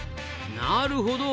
なるほど。